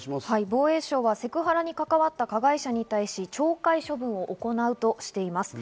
防衛省はセクハラに関わった加害者に対し、懲戒処分を行うとしています。